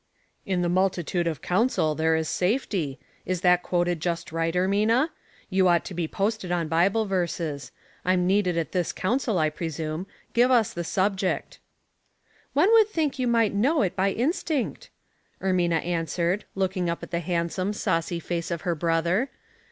N the multitude of counsel there is safety.' Is that quoted just right, Ermina? You 5 ought to be posted on Bible verses. I'm needed at this council, I presume. Give us the subject." " One would think you might know it by instinct," Ermina answered, looking up at the handsome, saucy face of her brother.